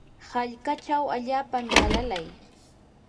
hallqachaw allaapami alalay.